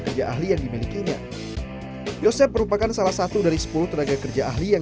kerja ahli yang dimilikinya yosep merupakan salah satu dari sepuluh tenaga kerja ahli yang